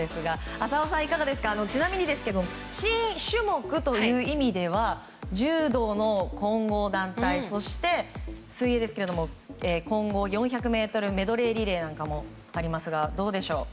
浅尾さんはいかがですかちなみにですが新種目という意味では柔道の混合団体そして水泳ですが混合４００ｍメドレーリレーなんかもありますが、どうでしょう。